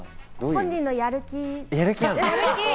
本人のやる気。